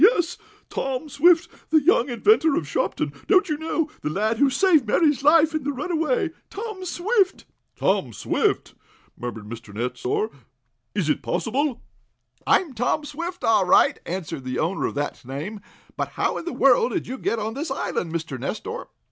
"Yes Tom Swift the young inventor of Shopton don't you know the lad who saved Mary's life in the runaway Tom Swift!" "Tom Swift!" murmured Mr. Nestor. "Is it possible!" "I'm Tom Swift, all right," answered the owner of that name, "but how in the world did you get on this island, Mr. Nestor?"